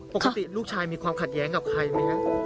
ปกติลูกชายมีความขัดแย้งกับใครไหมฮะ